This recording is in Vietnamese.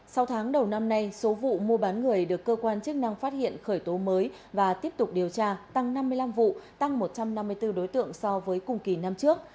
sau tháng đầu năm nay số vụ mua bán người được cơ quan chức năng phát hiện khởi tố mới và tiếp tục điều tra tăng năm mươi năm vụ tăng một trăm năm mươi bốn đối tượng so với cùng kỳ năm trước